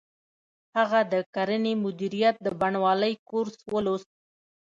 هغه د کرنې مدیریت د بڼوالۍ کورس ولوست